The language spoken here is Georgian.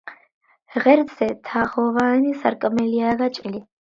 ღერძზე თაღოვანი სარკმელია გაჭრილი.